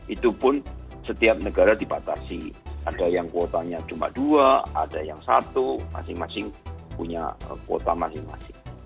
itu pun setiap negara dibatasi ada yang kuotanya cuma dua ada yang satu masing masing punya kuota masing masing